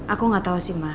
aku gak tau sih ma